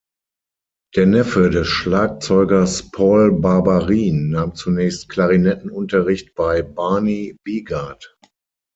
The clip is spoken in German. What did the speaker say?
Der Neffe des Schlagzeugers Paul Barbarin nahm zunächst Klarinetten-Unterricht bei Barney Bigard.